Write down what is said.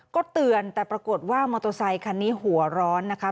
ก็เตือนแต่ปรากฏว่ามอเตอร์ไซคันนี้หัวร้อนนะคะ